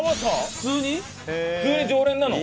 普通に常連なの？